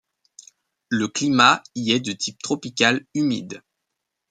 Le climat y est de type tropical humide.